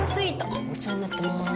お世話になってます。